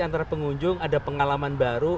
antara pengunjung ada pengalaman baru